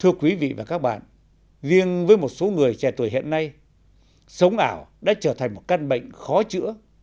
thưa quý vị và các bạn riêng với một số người trẻ tuổi hiện nay sống ảo đã trở thành một căn bệnh khó chữa